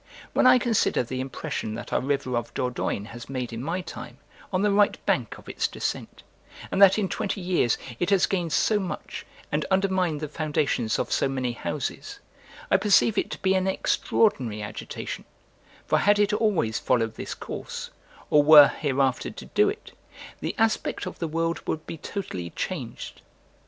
When I consider the impression that our river of Dordogne has made in my time on the right bank of its descent, and that in twenty years it has gained so much, and undermined the foundations of so many houses, I perceive it to be an extraordinary agitation: for had it always followed this course, or were hereafter to do it, the aspect of the world would be totally changed.